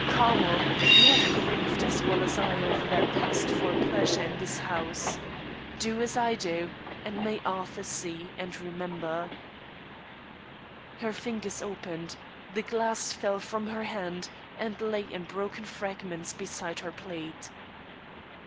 Carmel, you have grieved as well as I over what has passed for pleasure in this house. Do as I do, and may Arthur see and remember.' "Her fingers opened; the glass fell from her hand, and lay in broken fragments beside her plate.